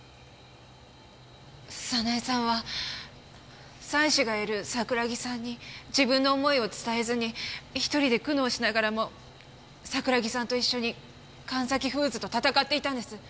早苗さんは妻子がいる桜木さんに自分の思いを伝えずに１人で苦悩しながらも桜木さんと一緒に神崎フーズと闘っていたんです。